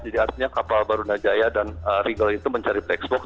jadi artinya kapal barunajaya dan regal itu mencari black box